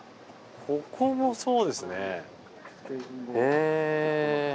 ここもそうですね。